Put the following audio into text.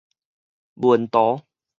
問徒